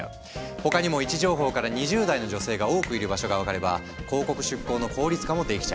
他にも位置情報から２０代の女性が多くいる場所が分かれば広告出稿の効率化もできちゃう。